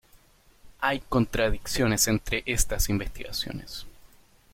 Hay contradicciones entre estas investigaciones.